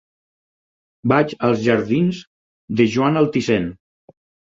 Vaig als jardins de Joan Altisent.